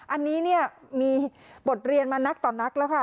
อันนี้เนี่ยมีบทเรียนมานักต่อนักแล้วค่ะ